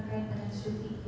dan pada waktu itu